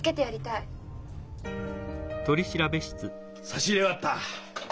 差し入れがあった。